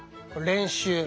練習。